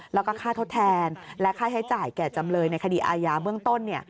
แล้วก็ค่าทดแทนและค่าใช้จ่ายแก่จำเลยในคดีอาญาเบื้องต้น